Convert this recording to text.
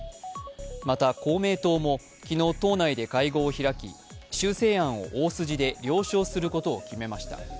また、公明党も昨日党内で会合を開き修正案を大筋で了承することを決めました。